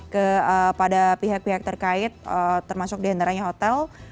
kepada pihak pihak terkait termasuk diantaranya hotel